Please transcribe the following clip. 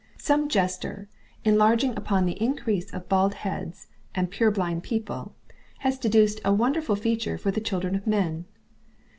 Some jester, enlarging upon the increase of bald heads and purblind people, has deduced a wonderful future for the children of men.